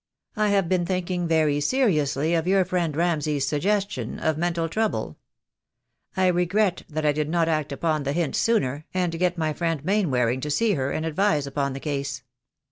I have been thinking very seriously of your friend Ramsay's suggestion of mental trouble. I regret that I did not act upon the hint sooner, 12* l8o THE DAY WILL COME. and get my friend Mainwaring to see her, and advise upon the case.